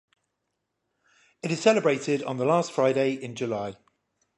It is celebrated on the last Friday in July.